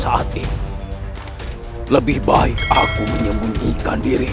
saat itu lebih baik aku menyembunyikan diriku